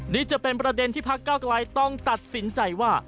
นี่จะเป็นประเด็นที่พักเก้าไกลต้องตัดสินใจว่า